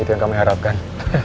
itu yang kami harapkan